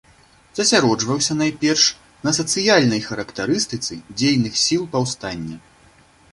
Засяроджваўся, найперш, на сацыяльнай характарыстыцы дзейных сіл паўстання.